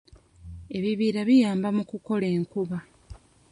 Ebibira biyamba mu kukola enkuba.